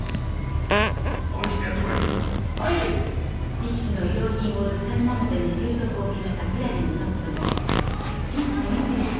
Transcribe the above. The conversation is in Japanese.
力士の衣料品を売る専門店に就職を決めたひらりにとっても出勤初日でした。